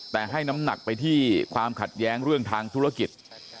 แต่ให้น้ำหนักไปที่ความขัดแย้งเรื่องทางธุรกิจ